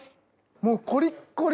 もうコリッコリ！